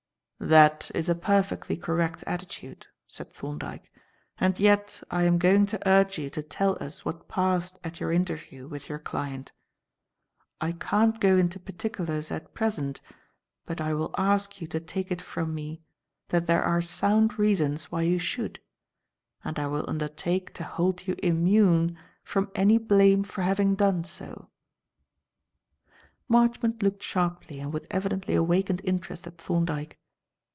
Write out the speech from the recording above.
"That is a perfectly correct attitude," said Thorndyke, "and yet I am going to urge you to tell us what passed at your interview with your client. I can't go into particulars at present, but I will ask you to take it from me that there are sound reasons why you should; and I will undertake to hold you immune from any blame for having done so." Marchmont looked sharply and with evidently awakened interest at Thorndyke.